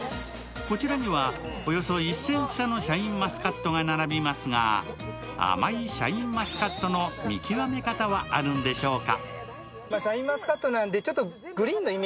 こちらには、およそ１０００房のシャインマスカットが並びますが甘いシャインマスカットの見極め方はあるんでしょうか？